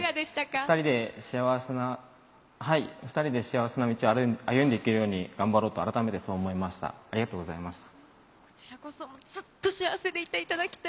２人で幸せな道を歩んでいけるように頑張ろうと改めて思いました。